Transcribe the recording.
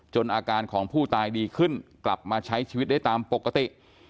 อาการของผู้ตายดีขึ้นกลับมาใช้ชีวิตได้ตามปกติ